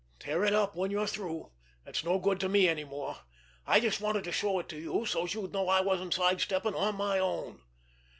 "Tear it up when you're through. It's no good to me any more. I just wanted to show it to you, so's you'd know I wasn't side stepping on my own."